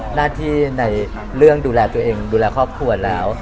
หน้าที่ในเรื่องดูแลตัวเองดูแลครอบครัวแล้ว